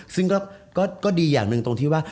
ซึ่งก็ดีอย่างหนึ่งตรงที่ว่า